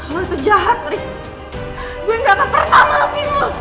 lu itu jahat rik gue yang kata pertama lebih lu